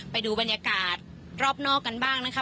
ไปดูบรรยากาศรอบนอกกันบ้างนะคะ